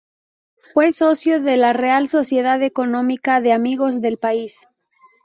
Fue socio de la Real Sociedad Económica de Amigos del País.